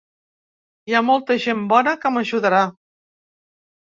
Hi ha molta gent bona que m’ajudarà.